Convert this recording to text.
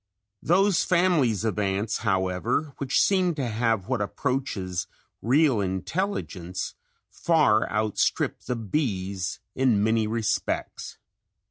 Those families of ants, however, which seem to have what approaches real intelligence, far outstrip the bees in many respects.